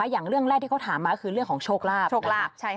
อย่างเรื่องแรกที่เขาถามมาคือเรื่องของโชคลาภโชคลาภ